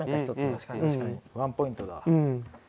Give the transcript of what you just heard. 確かに確かにワンポイントだ。